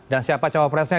dan siapa cawapresnya